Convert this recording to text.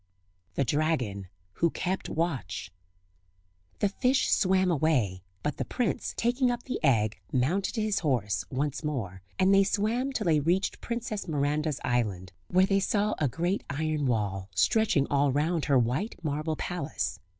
[Illustration: THE DRAGON WHO KEPT WATCH] The fish swam away; but the prince, taking up the egg, mounted his horse once more; and they swam till they reached Princess Miranda's island, where they saw a great iron wall stretching all round her white marble palace.